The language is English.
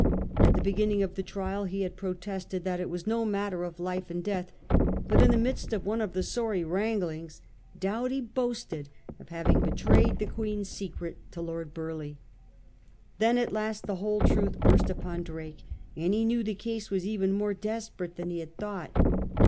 At the beginning of the trial he had protested that it was no matter of life and death; but in the midst of one of the sorry wranglings Doughty boasted of having betrayed the Queen's secret to Lord Burleigh. Then at last the whole truth burst upon Drake, and he knew the case was even more desperate than he thought.